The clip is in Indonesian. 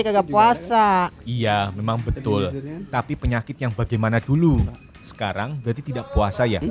nggak puasa iya memang betul tapi penyakit yang bagaimana dulu sekarang berarti tidak puasa ya